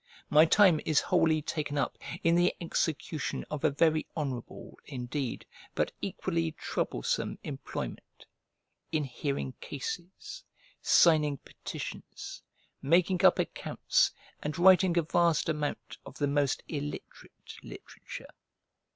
My time is wholly taken up in the execution of a very honourable, indeed, but equally troublesome, employment; in hearing cases, signing petitions, making up accounts, and writing a vast amount of the most illiterate literature.